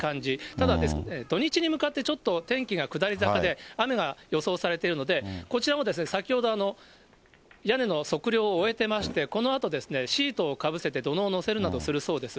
ただ、土日に向かってちょっと天気が下り坂で、雨が予想されてるので、こちらも先ほど、屋根の測量を終えてまして、このあと、シートをかぶせて土のうを載せるなどするそうです。